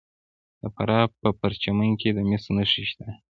د فراه په پرچمن کې د مسو نښې شته.